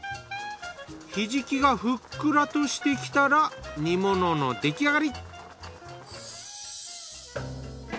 ひじきがふっくらとしてきたら煮物の出来上がり。